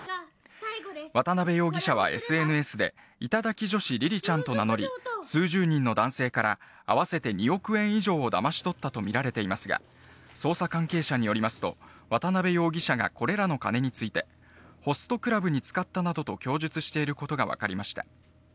渡辺容疑者はＳＮＳで、頂き女子りりちゃんと名乗り、数十人の男性から、合わせて２億円以上をだまし取ったと見られていますが、捜査関係者によりますと、渡辺容疑者がこれらの金について、ホストクラブに使ったなどと供述していることが分かりました。